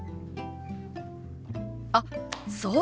あっそうだ！